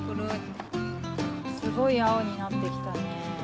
すごいあおになってきたね。